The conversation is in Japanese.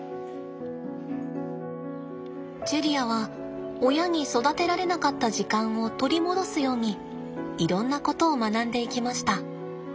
チェリアは親に育てられなかった時間を取り戻すようにいろんなことを学んでいきました。